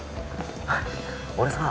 俺さ